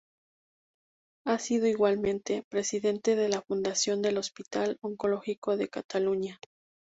Ha sido, igualmente, Presidente de la Fundación del Hospital Oncológico de Cataluña.